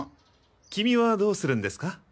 君はどうするんですか？